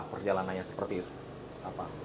perjalanannya seperti apa